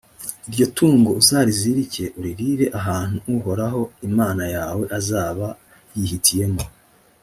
iryo tungo uzariteke, uririre ahantu uhoraho imana yawe azaba yihitiyemo;